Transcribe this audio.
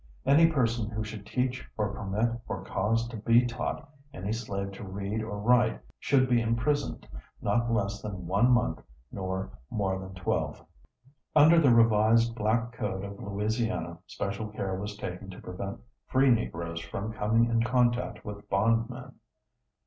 Any person who should teach or permit or cause to be taught, any slave to read or write should be imprisoned not less than one month nor more than twelve. Under the revised Black Code of Louisiana special care was taken to prevent free Negroes from coming in contact with bondmen.